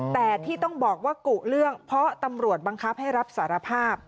แต่ที่ต้องบอกว่ากุเรื่องเพราะตำรวจบังคับให้รับสารภาพ